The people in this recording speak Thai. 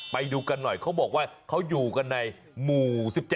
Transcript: ไปดูกันหน่อยเขาบอกว่าเขาอยู่กันในหมู่๑๗